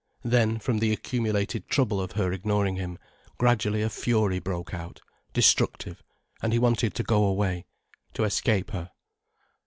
Then, from the accumulated troubling of her ignoring him, gradually a fury broke out, destructive, and he wanted to go away, to escape her.